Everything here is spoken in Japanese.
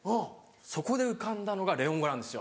そこで浮かんだのがレオン語なんですよ。